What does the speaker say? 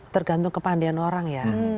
tergantung kepandian orang ya